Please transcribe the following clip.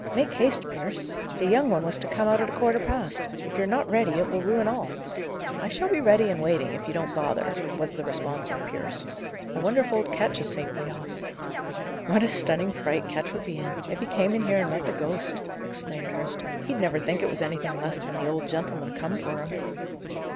"Make haste, Pierce! the young one was to come out at a quarter past. If you're not ready, it will ruin all." "I shall be ready and waiting, if you don't bother," was the response of Pierce. "I wonder if old Ketch is safely off?" "What a stunning fright Ketch would be in, if he came in here and met the ghost!" exclaimed Hurst. "He'd never think it was anything less than the Old Gentleman come for him."